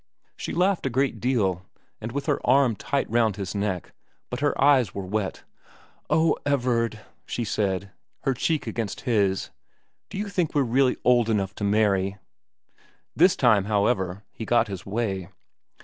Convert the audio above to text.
She laughed a great deal, and with her arm tight round his neck, but her eyes were wet. * Oh, Everard,' she said, her cheek against his, ' do you think we're really old enough to marry ?' This time, however, he got his way.